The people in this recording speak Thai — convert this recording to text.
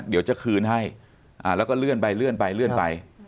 เดี๋ยวจะคืนให้แล้วก็เลื่อนไป